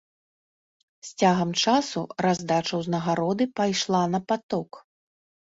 З цягам часу раздача ўзнагароды пайшла на паток.